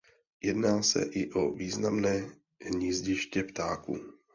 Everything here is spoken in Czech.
Jedná se i o významné hnízdiště ptáků.